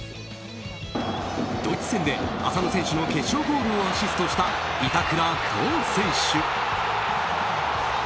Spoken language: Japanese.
ドイツ戦で、浅野選手の決勝ゴールをアシストした板倉滉選手。